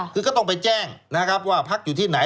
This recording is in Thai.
คือก็ต้องไปแจ้งนะครับว่าพักอยู่ที่ไหน